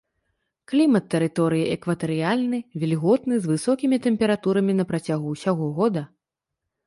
Клімат тэрыторыі экватарыяльны, вільготны, з высокімі тэмпературамі на працягу ўсяго года.